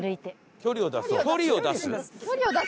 距離を出す？